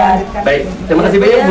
baik terima kasih banyak